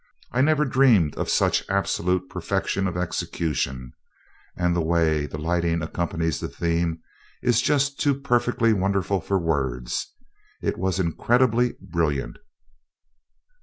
I never dreamed of such absolute perfection of execution, and the way the lighting accompanies the theme is just too perfectly wonderful for words! It was incredibly brilliant."